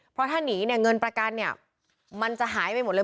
เพราะถ้าหนีเนี่ยเงินประกันเนี่ยมันจะหายไปหมดเลย